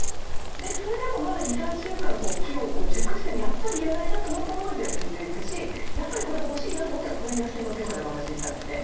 それでもまだ２３週間機を熟してもやっぱり要らないなと思ったモノは捨てていくしやっぱりこれ欲しいなと思ったら取り出して持っていくような形にしたんですね。